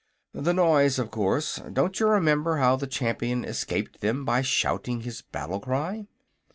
"The noise, of course. Don't you remember how the Champion escaped them by shouting his battle cry?"